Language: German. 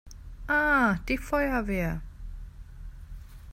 Ah, die Feuerwehr!